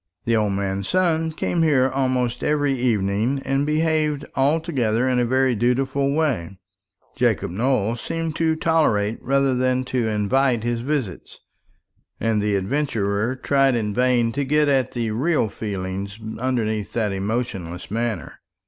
The old man's son came here almost every evening, and behaved altogether in a very dutiful way. Jacob Nowell seemed to tolerate rather than to invite his visits, and the adventurer tried in vain to get at the real feelings underlying that emotionless manner.